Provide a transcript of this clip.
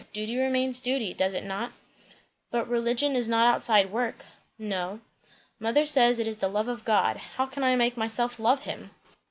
Duty remains duty, does it not?" "But religion is not outside work." "No." "Mother says, it is the love of God. How can I make myself love him?"